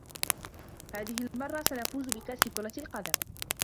هذه المرّة سنفوز بكأس كرة القدم.